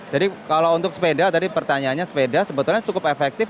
jadi kalau untuk sepeda tadi pertanyaannya sepeda sebetulnya cukup efektif